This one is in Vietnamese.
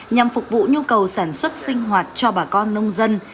nhằm phục vụ nhu cầu sản xuất sinh hoạt cho bà con nông dân